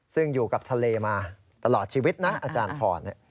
ซึ่งอยู่กับทะเลมาตลอดชีวิตนะอาจารย์ทร